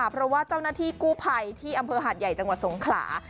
เพราะว่าเจ้าหน้าที่กู้ภัยที่อำเภอหาดใหญ่จังหวัดสงขลา